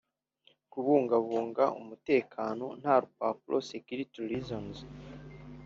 Kubungabunga umutekano nta rupapuro security reasons